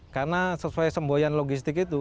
karena sesuai semboyan logistik itu